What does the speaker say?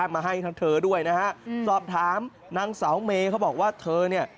มาให้ทั้งเธอด้วยนะฮะสอบถามนางเสาเมเขาบอกว่าเธอเนี่ย